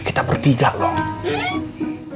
kita bertiga loh